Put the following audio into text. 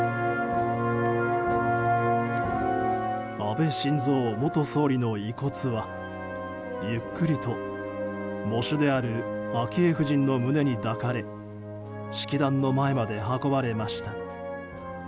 安倍晋三元総理の遺骨はゆっくりと喪主である昭恵夫人の胸に抱かれ式壇の前まで運ばれました。